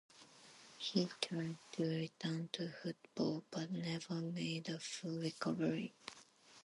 He tried to return to football, but never made a full recovery.